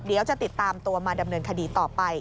เดี๋ยวจะติดตามตัวมาดำเนินคดีต่อไป